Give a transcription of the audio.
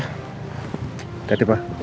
baik nanti sore papa akan kembali